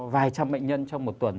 vài trăm bệnh nhân trong một tuần